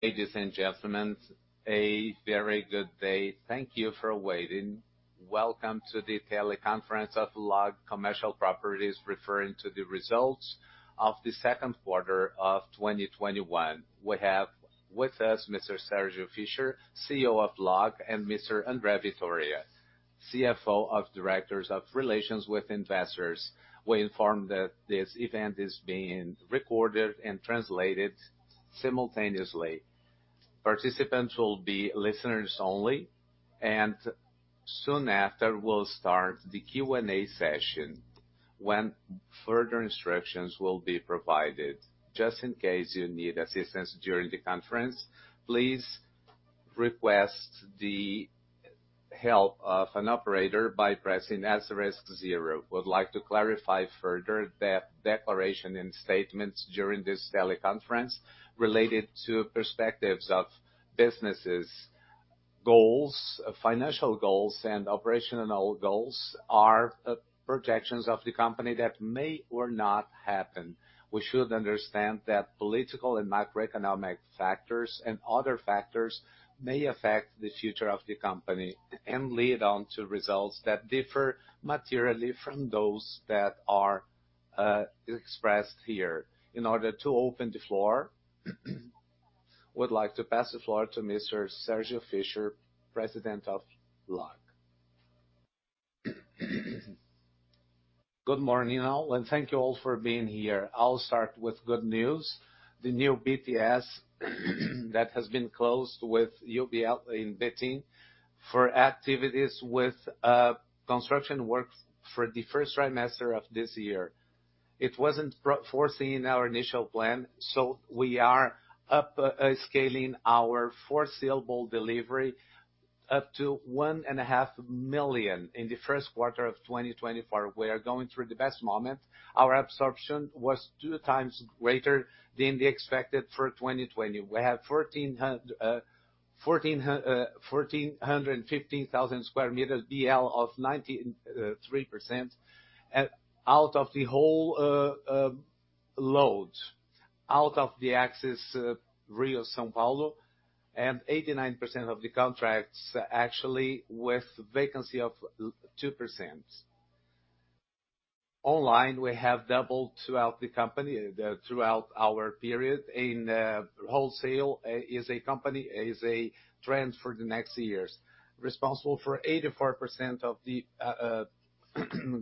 Ladies and gentlemen, a very good day. Thank you for waiting. Welcome to the teleconference of LOG Commercial Properties, referring to the results of the second quarter of 2021. We have with us Mr. Sérgio Fischer, CEO of LOG, and Mr. André Vitória, CFO and Director of Relations with Investors. We inform that this event is being recorded and translated simultaneously. Participants will be listeners only, and soon after, we'll start the Q&A session, when further instructions will be provided. Just in case you need assistance during the conference, please request the help of an operator by pressing asterisk zero. We'd like to clarify further that declaration and statements during this teleconference related to perspectives of business' goals, financial goals, and operational goals are projections of the company that may or not happen. We should understand that political and macroeconomic factors and other factors may affect the future of the company and lead on to results that differ materially from those that are expressed here. In order to open the floor, would like to pass the floor to Mr. Sérgio Fischer, President of LOG. Good morning all, and thank you all for being here. I'll start with good news. The new BTS that has been closed with ABL in Betim for activities with construction work for the first trimester of this year. It wasn't foreseen in our initial plan, so we are upscaling our for-saleable delivery up to 1.5 million square meters in the first quarter of 2024. We are going through the best moment. Our absorption was 2x greater than the expected for 2020. We have 1,415,000 sq m ABL of 93% out of the whole load, out of the axis Rio-São Paulo, and 89% of the contracts actually with vacancy of 2%. Online, we have doubled throughout our period in wholesale is a trend for the next years. Responsible for 84% of the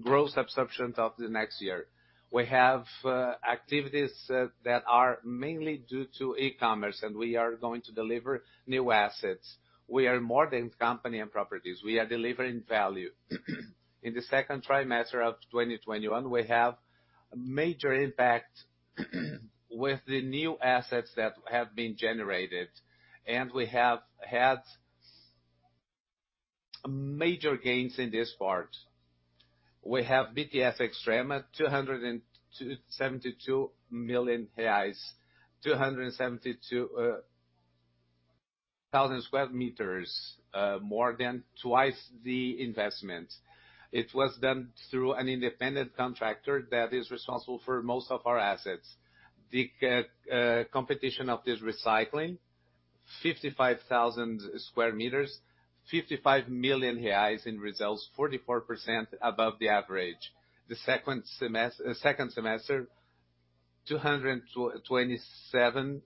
gross absorption of the next year. We have activities that are mainly due to e-commerce, and we are going to deliver new assets. We are more than company and properties. We are delivering value. In the second trimester of 2021, we have major impact with the new assets that have been generated, and we have had major gains in this part. We have BTS Extrema 272 million reais, 272,000 sq m, more than twice the investment. It was done through an independent contractor that is responsible for most of our assets. The competition of this recycling, 55,000 sq m, 55 million reais in results, 44% above the average. The second semester, 227,000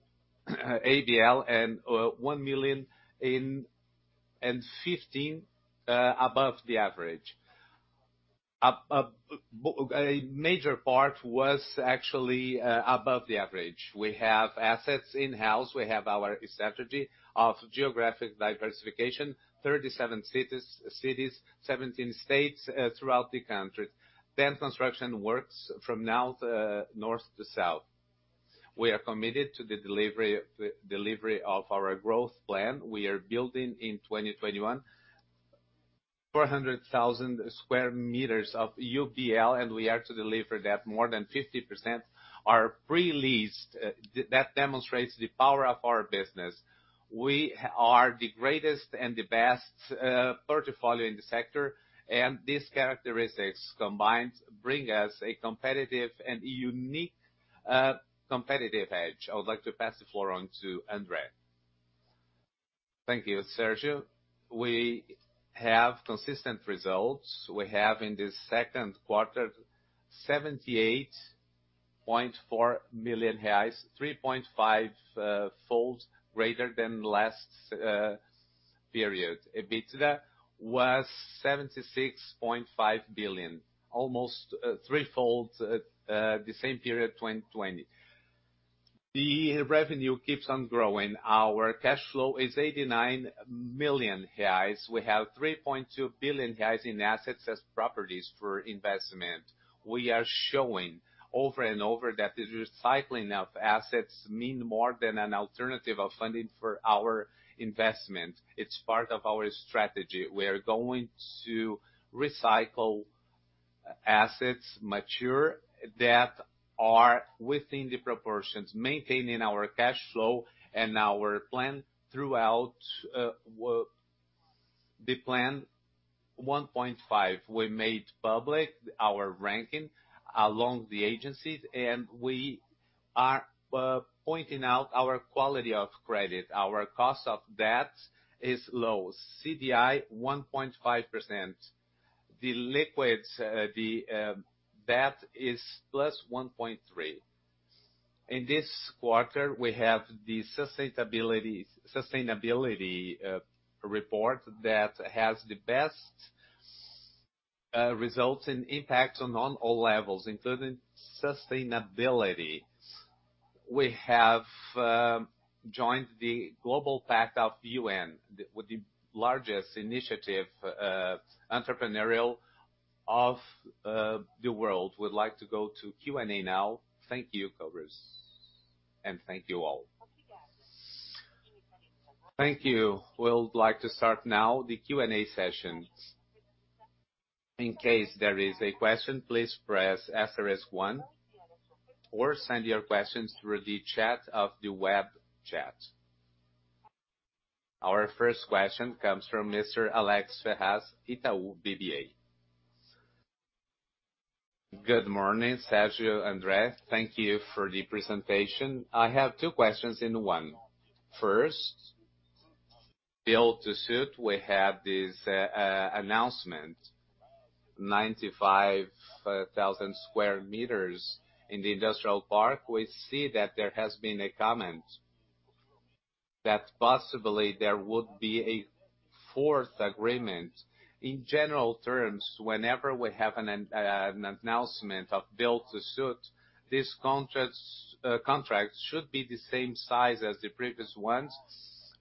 ABL and BRL 1.15 million above the average. A major part was actually above the average. We have assets in-house. We have our strategy of geographic diversification, 37 cities, 17 states throughout the country. Construction works from north to south. We are committed to the delivery of our growth plan. We are building in 2021, 400,000 sq m of ABL, and we are to deliver that more than 50% are pre-leased. That demonstrates the power of our business. We are the greatest and the best portfolio in the sector, and these characteristics combined bring us a competitive and unique competitive edge. I would like to pass the floor on to André. Thank you, Sérgio. We have consistent results. We have in this second quarter, BRL 78.4 million, 3.5-fold greater than last period. EBITDA was 76.5 billion, almost three-fold the same period 2020. The revenue keeps on growing. Our cash flow is 89 million reais. We have 3.2 billion reais in assets as properties for investment. We are showing over and over that the recycling of assets mean more than an alternative of funding for our investment. It's part of our strategy. We are going to recycle assets mature that are within the proportions, maintaining our cash flow and our plan throughout. The Plan 1.5, we made public our ranking along the agencies, we are pointing out our quality of credit. Our cost of debt is low CDI 1.5%. The liquids, the debt is +1.3. In this quarter, we have the sustainability report that has the best results and impacts on all levels, including sustainability. We have joined the UN Global Compact with the largest initiative, entrepreneurial of the world. We would like to go to Q&A now. Thank you, colleagues, and thank you all. Thank you. We would like to start now the Q&A session. In case there is a question, please press star one, or send your questions through the chat of the web chat. Our first question comes from Mr. Alex Ferraz, Itaú BBA. Good morning, Sérgio, André. Thank you for the presentation. I have two questions in one. First, build to suit. We have this announcement, 95,000 sq m in the industrial park. We see that there has been a comment that possibly there would be a fourth agreement. In general terms, whenever we have an announcement of build to suit, this contract should be the same size as the previous ones,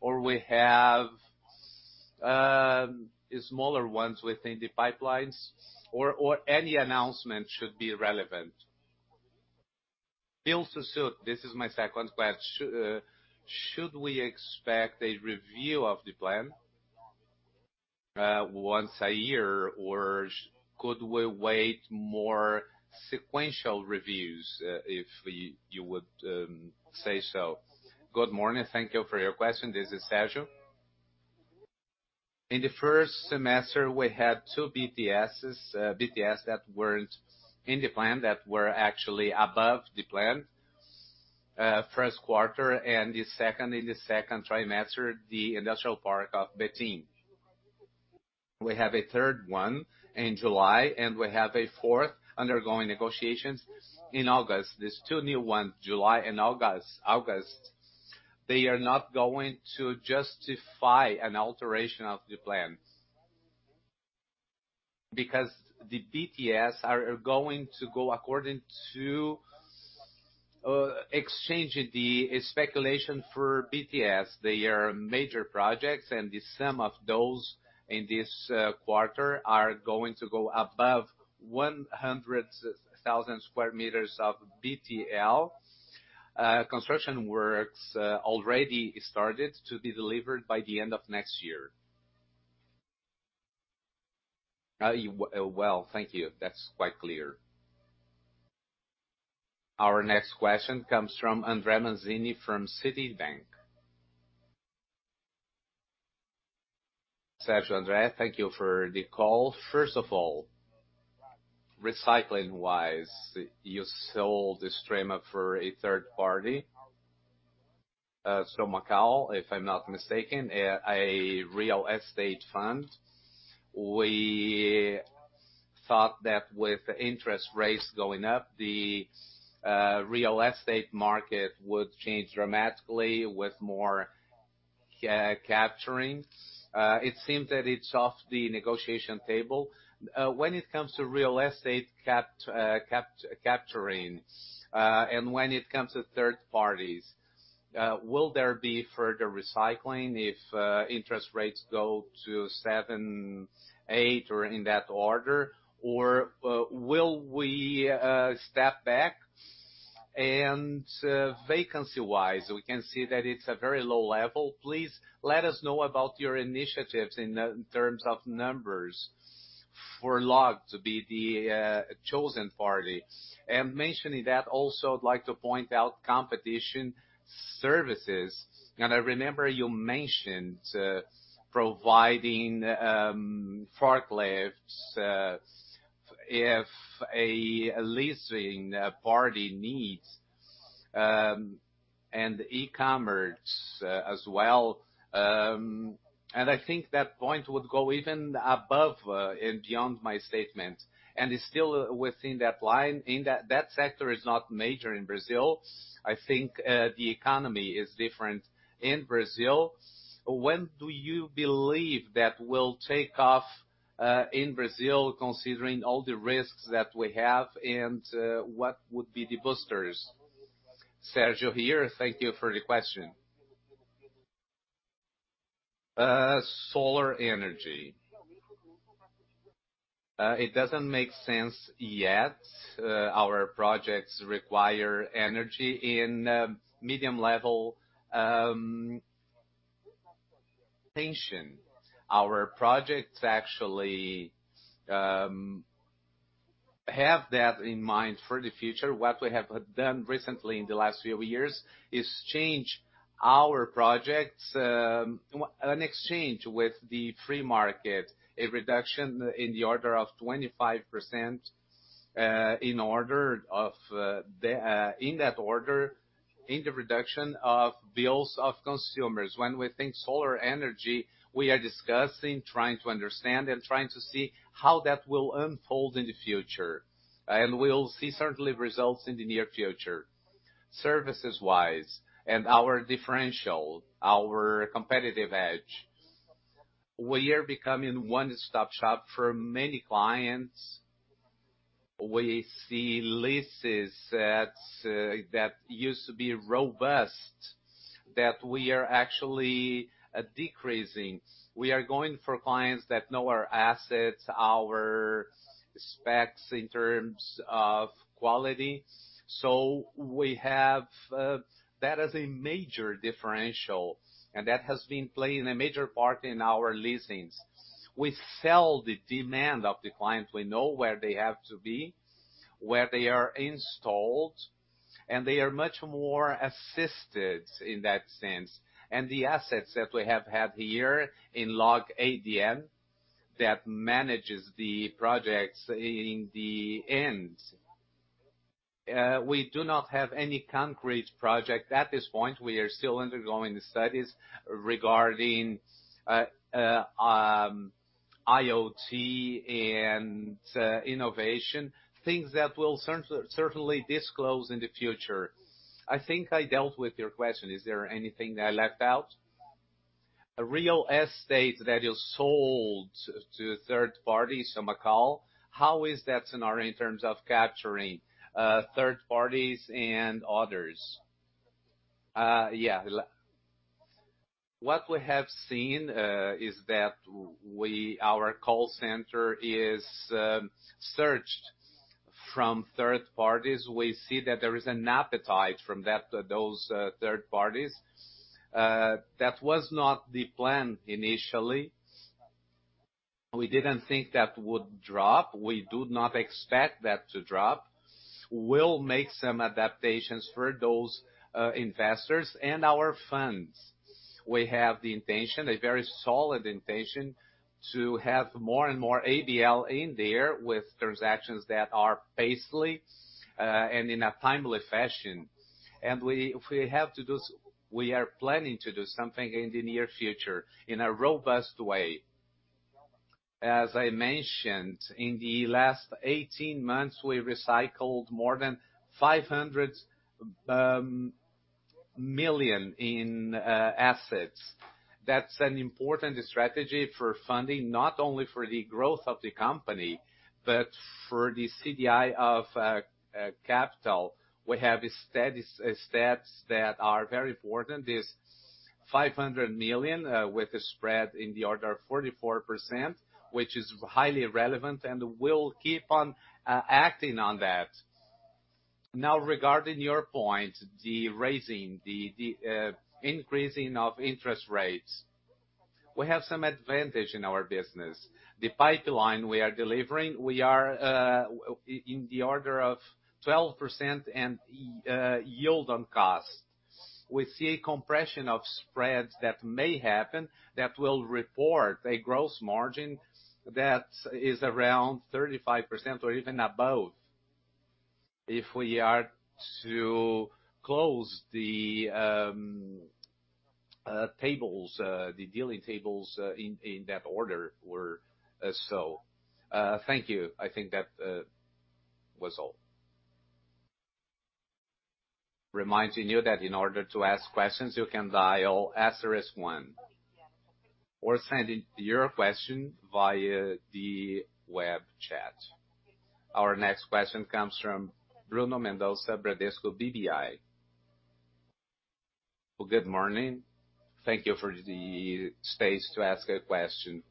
or we have smaller ones within the pipelines, or any announcement should be relevant. Build to suit. This is my second question. Should we expect a review of the plan once a year, or could we wait more sequential reviews, if you would say so? Good morning. Thank you for your question. This is Sérgio. In the first semester, we had two BTS that weren't in the plan, that were actually above the plan. First quarter and the second in the second trimester, the industrial park of Betim. We have a third one in July, and we have a fourth undergoing negotiations in August. These two new ones, July and August, they are not going to justify an alteration of the plans. The BTS are going to go according to exchanging the speculation for BTS. They are major projects, the sum of those in this quarter are going to go above 100,000 sq m of BTL. Construction works already started to be delivered by the end of next year. Well, thank you. That's quite clear. Our next question comes from André Mazini from Citibank. Sérgio, André, thank you for the call. First of all, recycling-wise, you sold Extrema for a third party. Macaw, if I'm not mistaken, a real estate fund. We thought that with interest rates going up, the real estate market would change dramatically with more capturing. It seems that it's off the negotiation table. When it comes to real estate capturing, and when it comes to third parties, will there be further recycling if interest rates go to 7, 8, or in that order, or will we step back? Vacancy-wise, we can see that it's a very low level. Please let us know about your initiatives in terms of numbers for LOG to be the chosen party. Mentioning that, also I'd like to point out competition services. I remember you mentioned providing forklifts if a leasing party needs, and e-commerce as well. I think that point would go even above and beyond my statement. Still within that line, that sector is not major in Brazil. I think the economy is different in Brazil. When do you believe that will take off in Brazil, considering all the risks that we have, and what would be the boosters? Sérgio here. Thank you for the question. Solar energy. It doesn't make sense yet. Our projects require energy in medium level pattern. Our projects actually have that in mind for the future. What we have done recently in the last few years is change our projects, in exchange with the free market, a reduction in the order of 25% in that order, in the reduction of bills of consumers. When we think solar energy, we are discussing, trying to understand, and trying to see how that will unfold in the future. We'll see certainly results in the near future. Services-wise and our differential, our competitive edge, we are becoming a one-stop shop for many clients. We see leases that used to be robust, that we are actually decreasing. We are going for clients that know our assets, our specs in terms of quality. We have that as a major differential, and that has been playing a major part in our leasings. We sell the demand of the client. We know where they have to be, where they are installed, and they are much more assisted in that sense. The assets that we have had here in LOG Adm that manages the projects in the end. We do not have any concrete project at this point. We are still undergoing the studies regarding IoT and innovation, things that will certainly disclose in the future. I think I dealt with your question. Is there anything that I left out? Real estate that is sold to third parties, Macaw, how is that scenario in terms of capturing third parties and others? Yeah. What we have seen is that our call center is searched from third parties. We see that there is an appetite from those third parties. That was not the plan initially. We didn't think that would drop. We do not expect that to drop. We'll make some adaptations for those investors and our funds. We have the intention, a very solid intention, to have more and more ABL in there with transactions that are paced and in a timely fashion. We are planning to do something in the near future in a robust way. As I mentioned, in the last 18 months, we recycled more than 500 million in assets. That's an important strategy for funding, not only for the growth of the company, but for the CDI of capital. We have stats that are very important. This 500 million with a spread in the order of 44%, which is highly relevant, and we'll keep on acting on that. Regarding your point, the increasing of interest rates, we have some advantage in our business. The pipeline we are delivering, we are in the order of 12% and yield on costs. We see a compression of spreads that may happen that will report a gross margin that is around 35% or even above. If we are to close the dealing tables in that order were so. Thank you. I think that was all. Reminding you that in order to ask questions, you can dial asterisk one or send in your question via the web chat. Our next question comes from Bruno Mendonça, Bradesco BBI. Good morning. Thank you for the space to ask a question.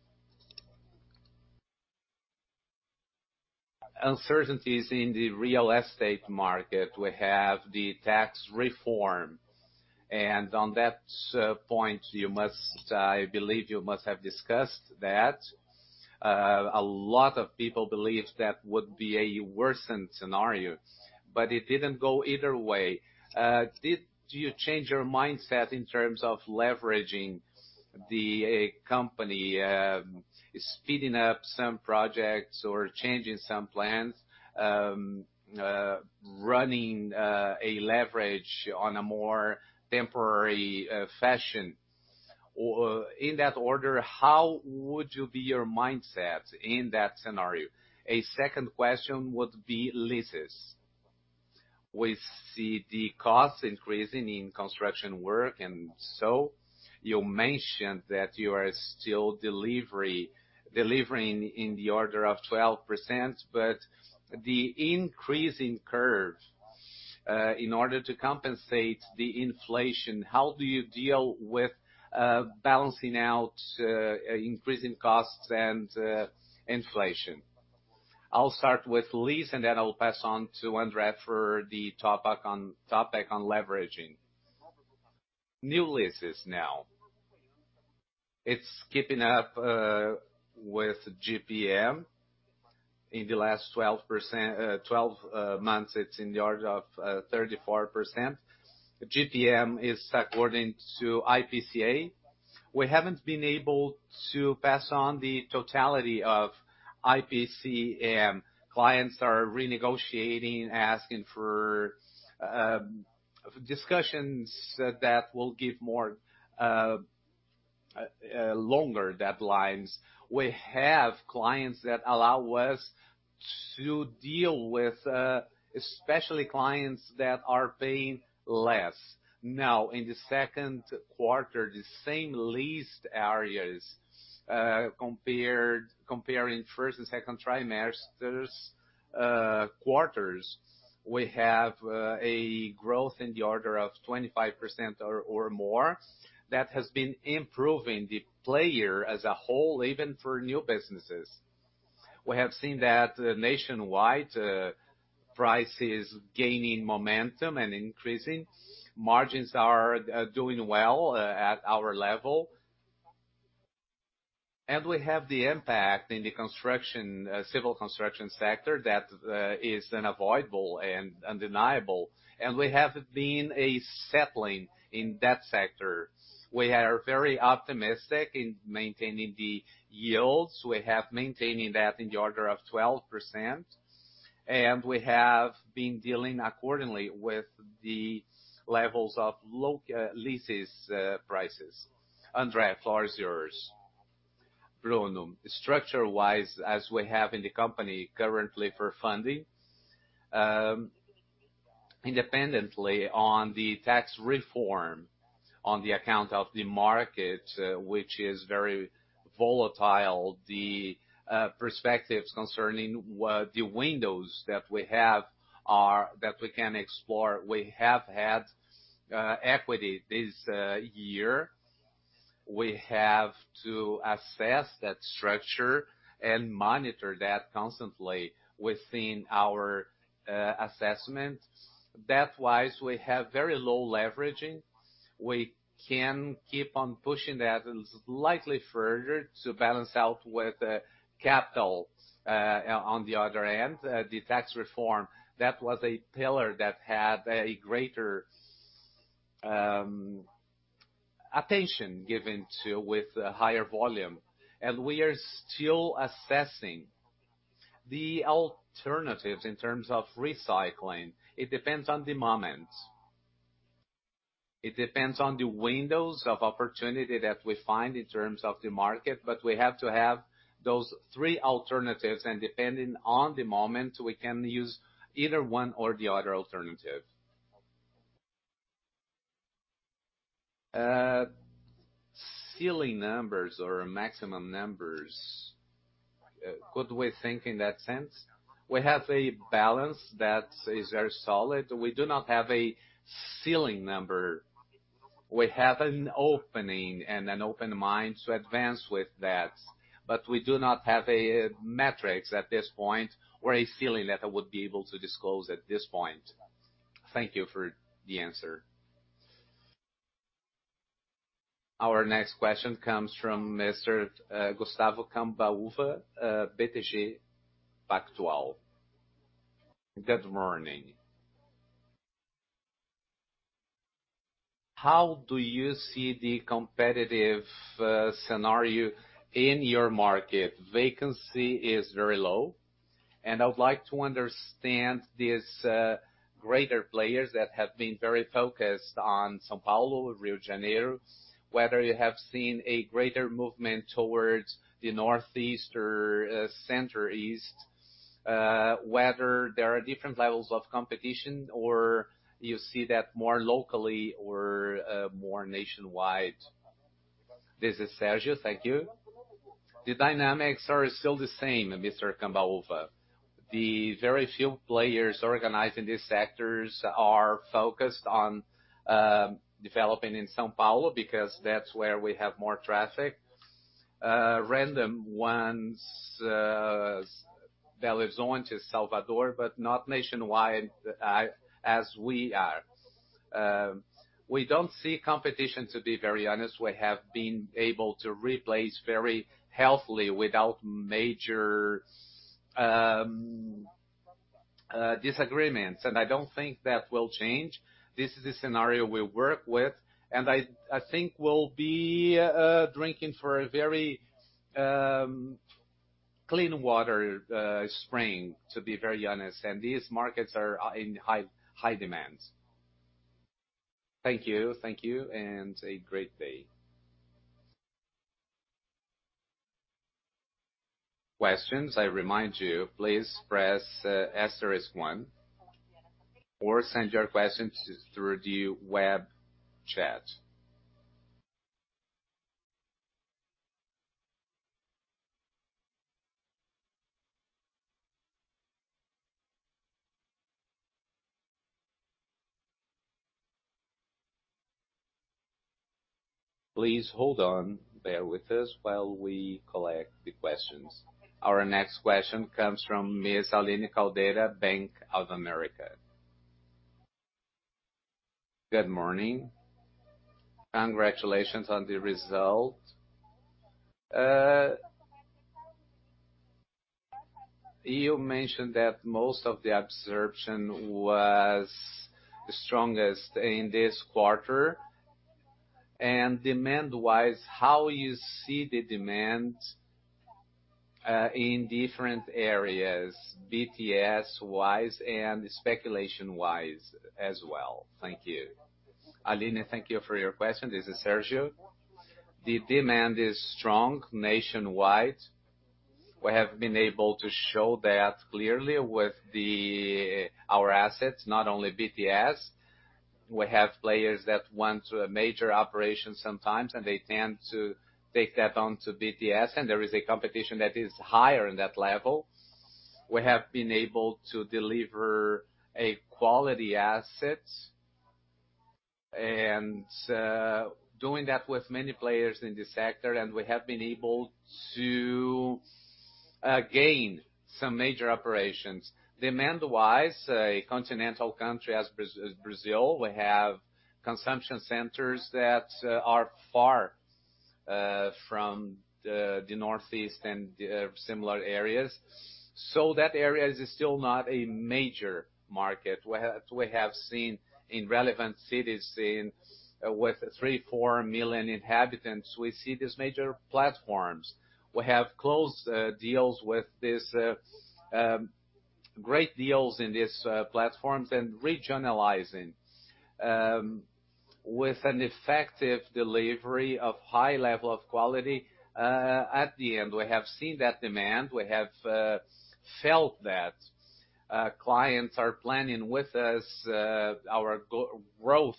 Uncertainties in the real estate market, we have the tax reform. On that point, I believe you must have discussed that. A lot of people believed that would be a worsened scenario, but it didn't go either way. Did you change your mindset in terms of leveraging the company, speeding up some projects or changing some plans, running a leverage on a more temporary fashion? In that order, how would you be your mindset in that scenario? A second question would be leases. We see the costs increasing in construction work and so. You mentioned that you are still delivering in the order of 12%, but the increasing curve in order to compensate the inflation, how do you deal with balancing out increasing costs and inflation? I'll start with lease, and then I'll pass on to André for the topic on leveraging. New leases now. It's keeping up with IGP-M. In the last 12 months, it's in the order of 34%. IGP-M is according to IPCA. We haven't been able to pass on the totality of IPCA and clients are renegotiating, asking for discussions that will give longer deadlines. We have clients that allow us to deal with, especially clients that are paying less. Now, in the second quarter, the same leased areas comparing first and second quarters, we have a growth in the order of 25% or more that has been improving the player as a whole, even for new businesses. We have seen that nationwide prices gaining momentum and increasing. Margins are doing well at our level. We have the impact in the civil construction sector that is unavoidable and undeniable, and we have been a settling in that sector. We are very optimistic in maintaining the yields. We have maintaining that in the order of 12%. We have been dealing accordingly with the levels of low leases prices. André, floor is yours. Bruno, structure-wise, as we have in the company currently for funding, independently on the tax reform on the account of the market, which is very volatile, the perspectives concerning the windows that we can explore, we have had equity this year. We have to assess that structure and monitor that constantly within our assessments. Debt-wise, we have very low leveraging. We can keep on pushing that slightly further to balance out with capital. On the other end, the tax reform, that was a pillar that had a greater attention given to with higher volume, and we are still assessing the alternatives in terms of recycling. It depends on the moment. It depends on the windows of opportunity that we find in terms of the market, but we have to have those three alternatives, and depending on the moment, we can use either one or the other alternative. Ceiling numbers or maximum numbers. Could we think in that sense? We have a balance that is very solid. We do not have a ceiling number. We have an opening and an open mind to advance with that, but we do not have a metric at this point or a ceiling that I would be able to disclose at this point. Thank you for the answer. Our next question comes from Mr. Gustavo Cambaúva, BTG Pactual. Good morning. How do you see the competitive scenario in your market? Vacancy is very low, and I would like to understand these greater players that have been very focused on São Paulo, Rio de Janeiro, whether you have seen a greater movement towards the Northeast or Center-East, whether there are different levels of competition, or you see that more locally or more nationwide. This is Sérgio. Thank you. The dynamics are still the same, Mr. Cambaúva. The very few players organizing these sectors are focused on developing in São Paulo because that's where we have more traffic. Random ones, Belo Horizonte, Salvador, but not nationwide as we are. We don't see competition, to be very honest. We have been able to replace very healthily without major disagreements, and I don't think that will change. This is the scenario we work with. I think we'll be drinking for a very clean water spring, to be very honest. These markets are in high demand. Thank you. Thank you. A great day. Questions, I remind you, please press asterisk one or send your questions through the web chat. Please hold on, bear with us while we collect the questions. Our next question comes from Ms. Aline Caldeira, Bank of America. Good morning. Congratulations on the result. You mentioned that most of the absorption was strongest in this quarter. Demand-wise, how you see the demand in different areas, BTS-wise and speculation-wise as well? Thank you. Aline, thank you for your question. This is Sérgio. The demand is strong nationwide. We have been able to show that clearly with our assets, not only BTS. We have players that want major operations sometimes, and they tend to take that on to BTS, and there is a competition that is higher in that level. We have been able to deliver a quality asset, and doing that with many players in the sector, and we have been able to gain some major operations. Demand-wise, a continental country as Brazil, we have consumption centers that are far from the northeast and similar areas. That area is still not a major market. We have seen in relevant cities with 3, 4 million inhabitants, we see these major platforms. We have closed great deals in these platforms and regionalizing with an effective delivery of high level of quality. At the end, we have seen that demand. We have felt that clients are planning with us our growth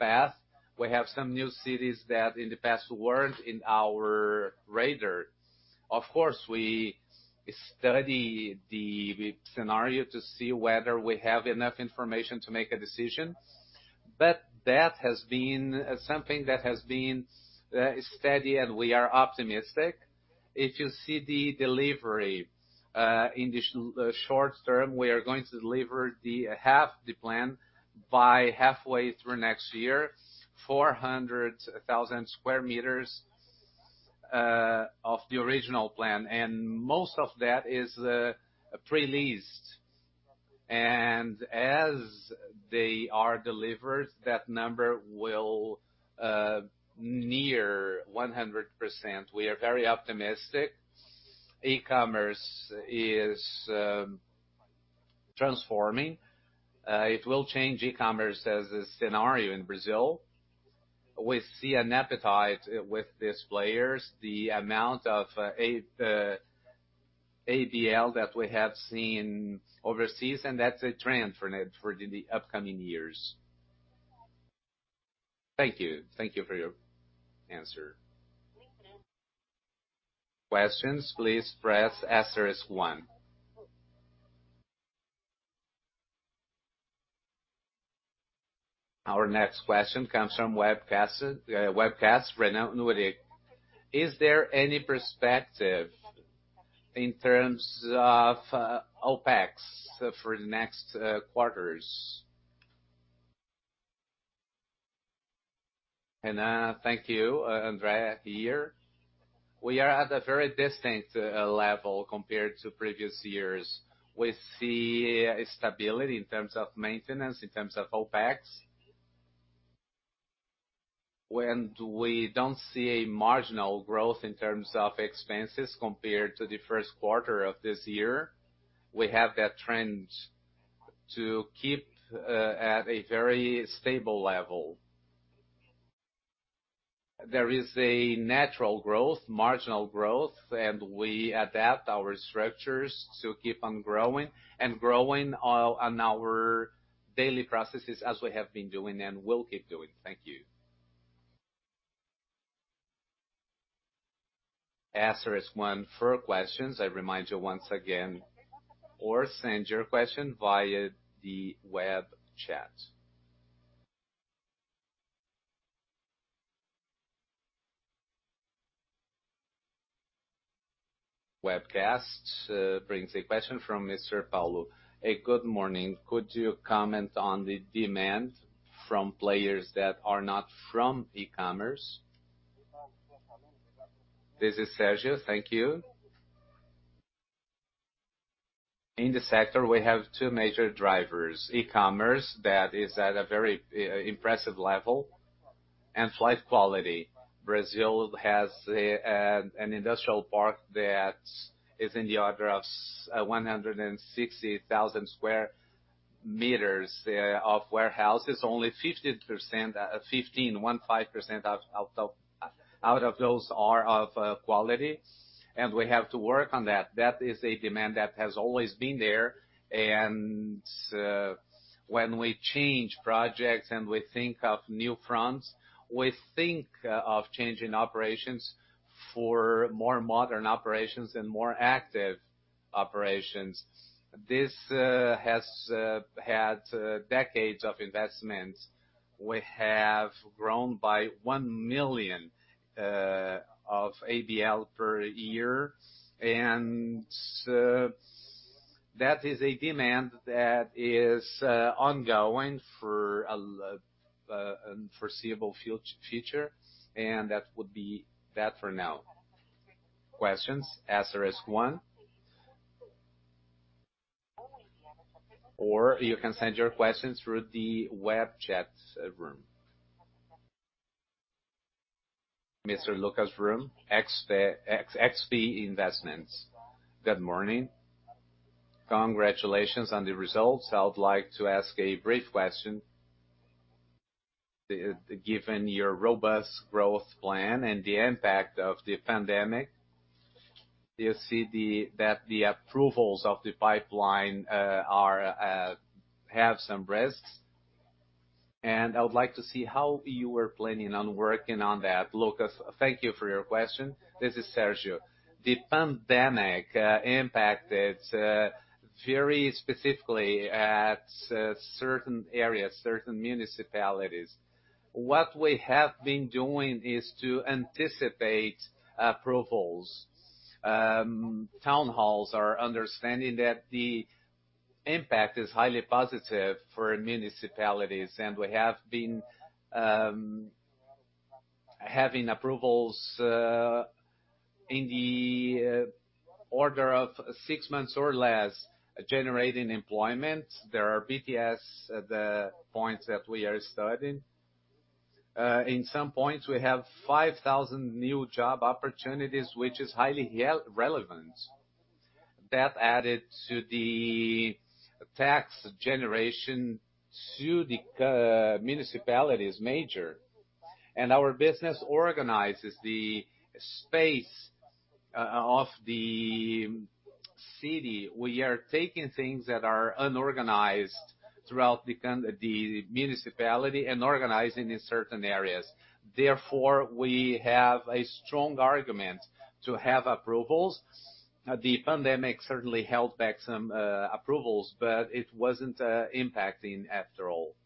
path. We have some new cities that in the past weren't in our radar. Of course, we study the scenario to see whether we have enough information to make a decision. That has been something that has been steady, and we are optimistic. If you see the delivery, in the short term, we are going to deliver half the plan by halfway through next year, 400,000 sq m of the original plan. Most of that is pre-leased. As they are delivered, that number will near 100%. We are very optimistic. E-commerce is transforming. It will change e-commerce as a scenario in Brazil. We see an appetite with these players, the amount of ABL that we have seen overseas, and that's a trend for the upcoming years. Thank you. Thank you for your answer. Questions, please press star one. Our next question comes from webcast, Renan Ulrich. Is there any perspective in terms of OpEx for the next quarters? Thank you. André here. We are at a very distinct level compared to previous years. We see stability in terms of maintenance, in terms of OpEx. When we don't see a marginal growth in terms of expenses compared to the first quarter of this year, we have that trend to keep at a very stable level. There is a natural growth, marginal growth, and we adapt our structures to keep on growing and growing on our daily processes as we have been doing and will keep doing. Thank you. Asterisk one for questions. I remind you once again, or send your question via the web chat. Webcast brings a question from Mr. Paulo. A good morning. Could you comment on the demand from players that are not from e-commerce? This is Sérgio Fischer. Thank you. In the sector, we have two major drivers, e-commerce, that is at a very impressive level, and flight quality. Brazil has an industrial park that is in the order of 160,000 sq m of warehouses. Only 15% out of those are of quality. We have to work on that. That is a demand that has always been there. When we change projects and we think of new fronts, we think of changing operations for more modern operations and more active operations. This has had decades of investment. We have grown by 1 million of ABL per year. That is a demand that is ongoing for unforeseeable future, and that would be that for now. Questions, star one, or you can send your questions through the web chat room. Mr. Lucas Hoon, XP Investimentos. Good morning. Congratulations on the results. I would like to ask a brief question. Given your robust growth plan and the impact of the pandemic, do you see that the approvals of the pipeline have some risks? I would like to see how you are planning on working on that. Lucas, thank you for your question. This is Sérgio. The pandemic impacted very specifically at certain areas, certain municipalities. What we have been doing is to anticipate approvals. Town halls are understanding that the impact is highly positive for municipalities, and we have been having approvals in the order of six months or less, generating employment. There are BTS, the points that we are studying. In some points, we have 5,000 new job opportunities, which is highly relevant. That added to the tax generation to the municipalities, major. Our business organizes the space of the city. We are taking things that are unorganized throughout the municipality and organizing in certain areas. Therefore, we have a strong argument to have approvals. The pandemic certainly held back some approvals, but it wasn't impacting after all.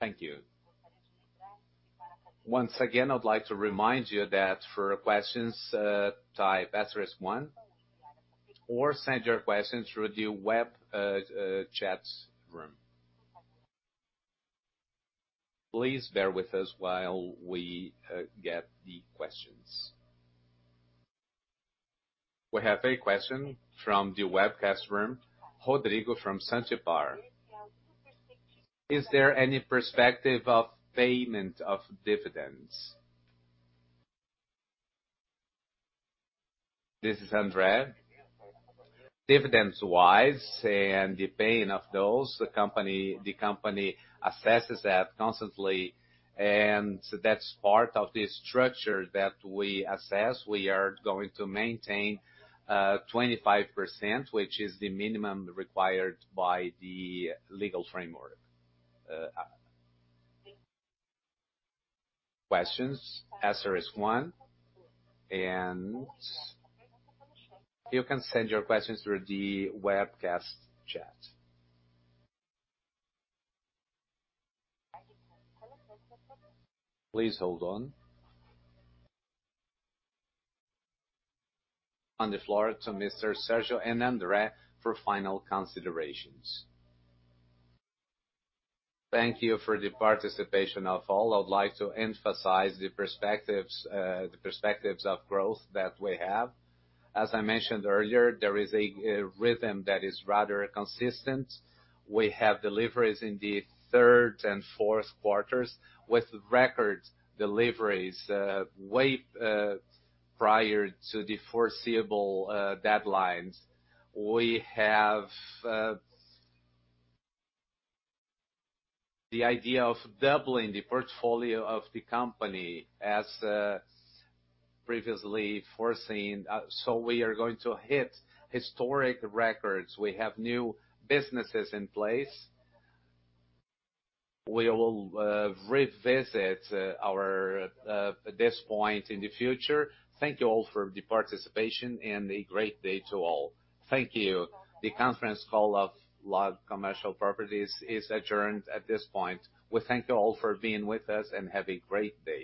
Thank you. Once again, I'd like to remind you that for questions, type asterisk one or send your questions through the webchat room. Please bear with us while we get the questions. We have a question from the webcast room. Rodrigo from Santipar. "Is there any perspective of payment of dividends?" This is André. Dividends-wise. The paying of those, the company assesses that constantly, and that's part of the structure that we assess. We are going to maintain 25%, which is the minimum required by the legal framework. Questions, asterisk 1. You can send your questions through the webcast chat. Please hold on. On the floor to Mr. Sérgio and André for final considerations. Thank you for the participation of all. I would like to emphasize the perspectives of growth that we have. As I mentioned earlier, there is a rhythm that is rather consistent. We have deliveries in the third and fourth quarters with record deliveries way prior to the foreseeable deadlines. We have the idea of doubling the portfolio of the company as previously foreseen. We are going to hit historic records. We have new businesses in place. We will revisit this point in the future. Thank you all for the participation and a great day to all. Thank you. The conference call of LOG Commercial Properties is adjourned at this point. We thank you all for being with us, and have a great day.